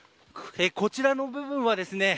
こちらの部分はですね。